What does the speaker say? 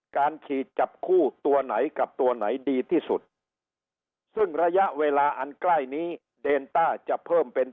การฉีดจับคู่ตัวไหนกับตัวไหนดีที่สุดซึ่งระยะเวลาอันใกล้นี้เดนต้าจะเพิ่มเป็น